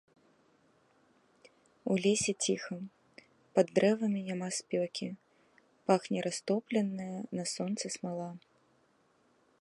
У лесе ціха, пад дрэвамі няма спёкі, пахне растопленая на сонцы смала.